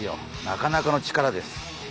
なかなかの力です。